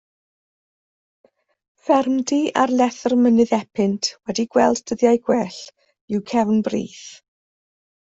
Ffermdy ar lethr mynydd Epynt, wedi gweld dyddiau gwell, yw Cefn Brith.